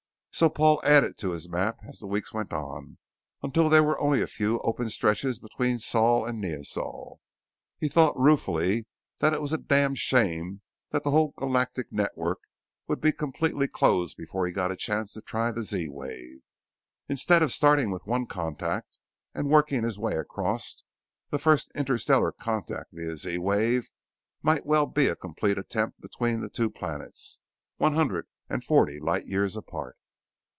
So Paul added to his map as the weeks went on until there were only a few open stretches between Sol and Neosol. He thought ruefully that it was a damned shame that the whole Galactic Network would be completely closed before he got a chance to try the Z wave. Instead of starting with one contact and working his way across, the first interstellar contact via Z wave might well be a complete attempt between the two planets, one hundred and forty light years apart.